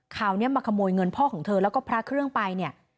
คราวนี้มาขโมยเงินพ่อของเธอแล้วก็พระเครื่องไปเนี่ย